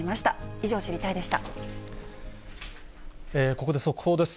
以上、ここで速報です。